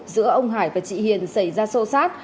giữa ông hải và chị hiền xảy ra sâu sát